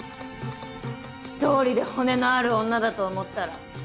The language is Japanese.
どうりで骨のある女だと思ったら。